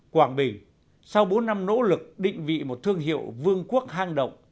quảng bình sau bốn năm nỗ lực định vị một thương hiệu vương quốc hang động